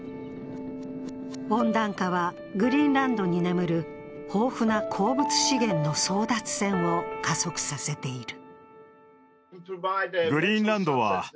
温暖化はグリーンランドに眠る豊富な鉱物資源の争奪戦を加速させている。